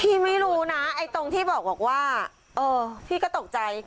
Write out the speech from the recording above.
ไม่รู้นะไอ้ตรงที่บอกว่าเออพี่ก็ตกใจ